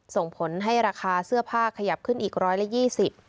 ส่งผลให้ราคาเสื้อผ้าขยับขึ้นอีกร้อยละยี่สิบ